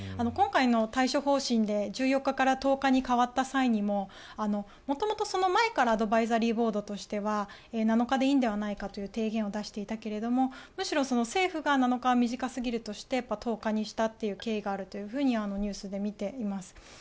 今回の対処方針で１４日間から１０日に変わった際も元々その前からアドバイザリーボードとしては７日でいいのではないかという提言を出していたけれどもむしろ政府が７日は短すぎるとして１０日にしたという経緯があるとニュースで見ています。